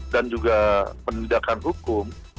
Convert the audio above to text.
dan juga pendidikan hukum